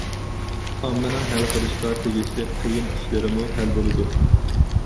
ئاممىنىڭ ھەل قىلىشقا تېگىشلىك قىيىن ئىشلىرىمۇ ھەل بولىدۇ.